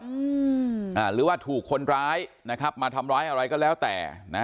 อืมอ่าหรือว่าถูกคนร้ายนะครับมาทำร้ายอะไรก็แล้วแต่นะ